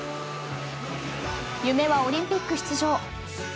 夢はオリンピック出場。